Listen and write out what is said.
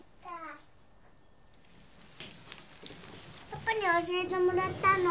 パパに教えてもらったの。